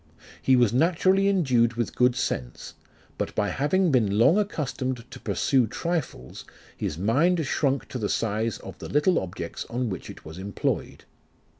He was naturally endued with good sense ; but by having been long accustomed to pursue trifles, his mind shrunk to the size of the little objects on which it was employed.